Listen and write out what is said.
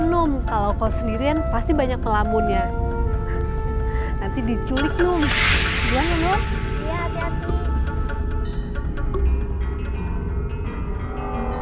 num kita pulang duluan ya